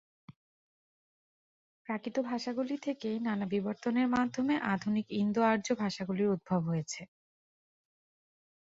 প্রাকৃত ভাষাগুলি থেকেই নানা বিবর্তনের মাধ্যমে আধুনিক ইন্দো-আর্য ভাষাগুলির উদ্ভব হয়েছে।